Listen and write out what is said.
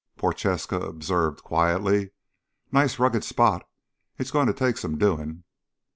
Prochaska observed quietly: "Nice rugged spot. It's going to take some doing."